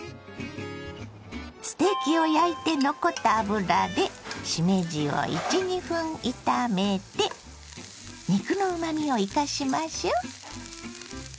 ステーキを焼いて残った油でしめじを１２分炒めて肉のうまみを生かしましょ。